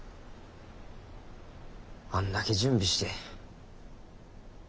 あんだけ準備して。